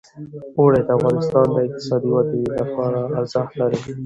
اوړي د افغانستان د اقتصادي ودې لپاره ارزښت لري.